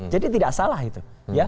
jadi tidak salah itu